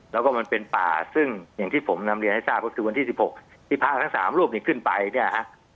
แล้วก็มันเป็นป่าซึ่งอย่างที่ผมนำเรียนให้ทราบก็คือวันที่๑๖ที่พระทั้ง๓รูปนี้ขึ้นไปเนี่ยฮะ